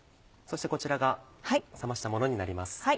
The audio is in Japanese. そしてこちらが冷ましたものになります。